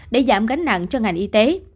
để giảm gánh nặng cho ngành y tế